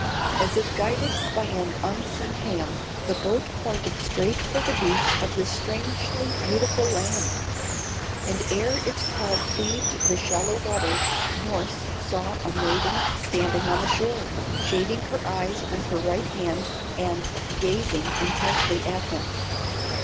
As if guided by an unseen hand, the boat pointed straight for the beach of this strangely beautiful land; and ere its prow cleaved the shallower waters, Norss saw a maiden standing on the shore, shading her eyes with her right hand, and gazing intently at him.